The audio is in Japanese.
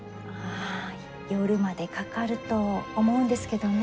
あ夜までかかると思うんですけどね。